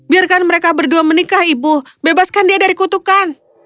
biarkan mereka berdua menikah ibu bebaskan dia dari kutukan